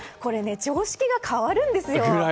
常識が変わるんですよ。